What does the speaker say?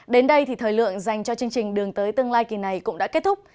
đến đây thì thời lượng dành cho chương trình đường tới tương lai kỳ này cũng đã kết thúc